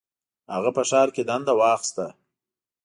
هغه په ښار کې دنده واخیسته.